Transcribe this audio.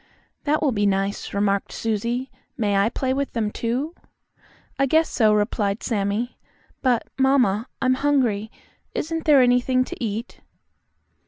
"That will be nice," remarked Susie. "May I play with them, too?" "I guess so," replied Sammie. "But, mamma, I'm hungry. Isn't there anything to eat?"